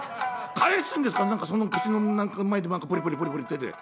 返すんですか何かそんな口の前でポリポリポリポリ言ってて」。